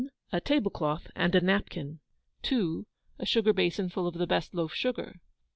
A tablecloth and a napkin. 2. A sugar basin full of the best loaf sugar.